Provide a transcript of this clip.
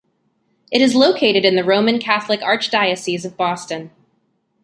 It is located in the Roman Catholic Archdiocese of Boston.